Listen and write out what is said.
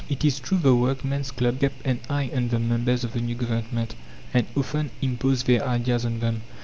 It is true the workmen's clubs kept an eye on the members of the new Government, and often imposed their ideas on them.